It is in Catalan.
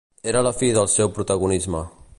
Era la fi del seu protagonisme.